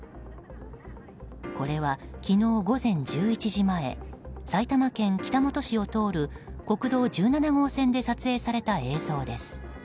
これは昨日午前１１時前埼玉県北本市を通る国道１７号線で撮影された映像です。